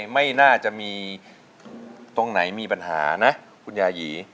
ไม่น่าจะมีตรงไหนมีปัญหานะคุณยายี